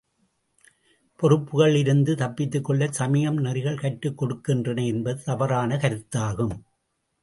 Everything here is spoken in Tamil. பொறுப்புகளில் இருந்து தப்பித்துக்கொள்ளச் சமயம் நெறிகள் கற்றுக் கொடுக்கின்றன என்பது தவறான கருத்தாகும்.